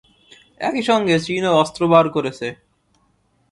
একই সঙ্গে চীনও অস্ত্র বের করেছে।